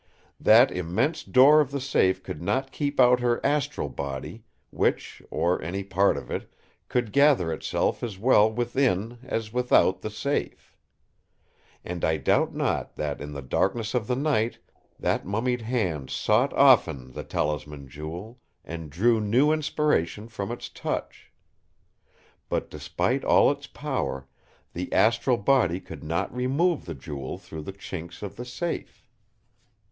That immense door of the safe could not keep out her astral body, which, or any part of it, could gather itself as well within as without the safe. And I doubt not that in the darkness of the night that mummied hand sought often the Talisman Jewel, and drew new inspiration from its touch. But despite all its power, the astral body could not remove the Jewel through the chinks of the safe.